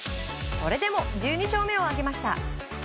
それでも１２勝目を挙げました。